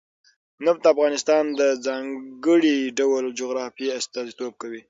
نفت د افغانستان د ځانګړي ډول جغرافیه استازیتوب کوي.